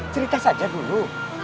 cerita saja dulu